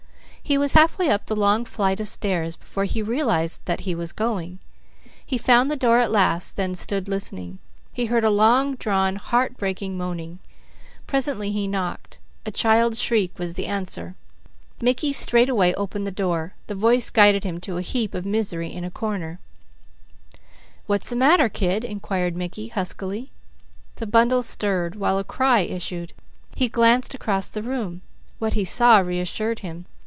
He was halfway up the long flight of stairs before he realized that he was going. He found the door at last, then, stood listening. He heard long drawn, heart breaking moaning. Presently he knocked. A child's shriek was the answer. Mickey straightway opened the door. The voice guided him to a heap of misery in a corner. "What's the matter kid?" inquired Mickey huskily. The bundle stirred, while a cry issued. He glanced around the room. What he saw reassured him.